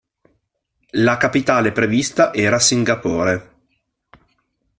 La capitale prevista era Singapore.